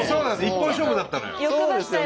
一本勝負だったのよ。